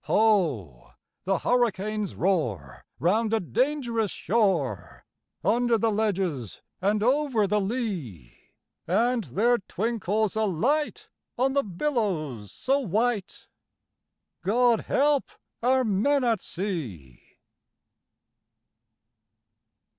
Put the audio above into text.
Ho! the hurricanes roar round a dangerous shore, Under the ledges and over the lea; And there twinkles a light on the billows so white God help our men at sea!